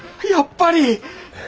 やっぱり！